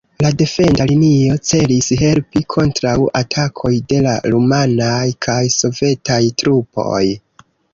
La defenda linio celis helpi kontraŭ atakoj de la rumanaj kaj sovetaj trupoj.